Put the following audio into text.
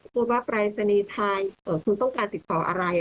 พูดว่าปรายศนีย์ไทยคุณต้องการติดต่ออะไร